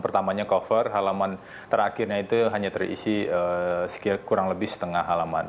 pertamanya cover halaman terakhirnya itu hanya terisi kurang lebih setengah halaman